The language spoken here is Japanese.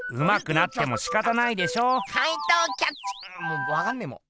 もうわかんねぇもう。